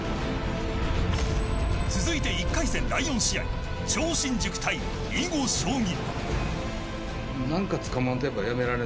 続いて、１回戦第４試合超新塾対囲碁将棋。